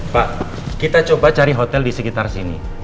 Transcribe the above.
pak kita coba cari hotel di sekitar sini